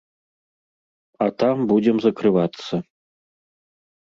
А там будзем закрывацца.